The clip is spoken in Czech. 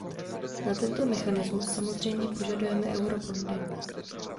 Na tento mechanismus samozřejmě požadujeme eurobondy.